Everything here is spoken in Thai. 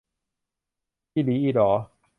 อิหลีอิหลอ